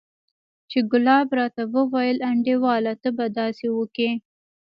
چې ګلاب راته وويل انډيواله ته به داسې وکې.